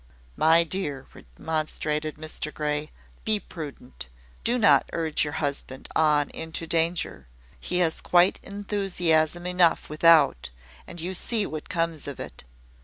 "My dear," remonstrated Mr Grey, "be prudent. Do not urge your husband on into danger: he has quite enthusiasm enough without; and you see what comes of it.